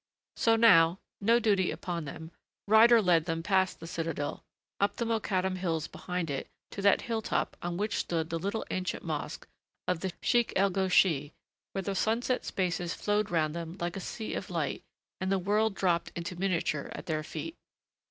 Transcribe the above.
So now, no duty upon them, Ryder led them past the Citadel, up the Mokattam hills behind it, to that hilltop on which stood the little ancient mosque of the Sheykh el Gauchy, where the sunset spaces flowed round them like a sea of light and the world dropped into miniature at their feet.